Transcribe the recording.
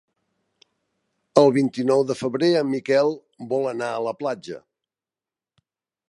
El vint-i-nou de febrer en Miquel vol anar a la platja.